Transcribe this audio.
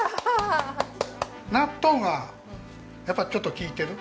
納豆がやっぱちょっと利いてる。